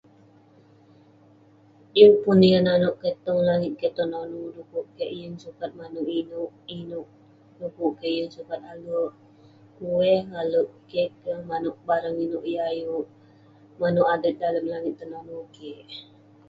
Yeng pun yah naneuk kek tong langit kik tenonu dukuk kek yeng sukat maneuk ineuk-ineuk, dukuk kek yeng sukat alek kueh, alek keq keh, maneuk barang ineuk yah ayuk maneuk adet dalem langit tenonu kik.